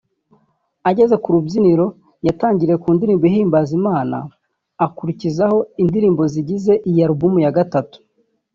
Ageze ku rubyiniro yatangiriye ku ndirimbo ihimbaza Imana akurikizaho indirimbo zigize iyi album ya Gatatu